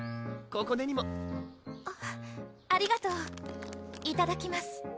ここねにもありがとういただきます